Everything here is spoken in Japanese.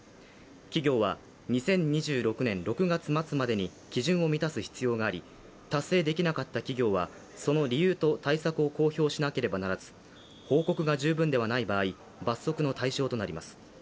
企業は２０２６年６月末までに基準を満たす必要があり達成できなかった企業はその理由と対策を公表しなければならず、報告が十分ではない場合、罰則の対象となります。